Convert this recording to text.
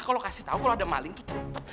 mak kalau kasih tau kalau ada maling tuh cepet